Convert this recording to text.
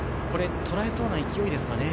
とらえそうな勢いですかね。